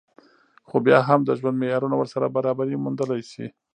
خو بيا هم د ژوند معيارونه ورسره برابري موندلی شي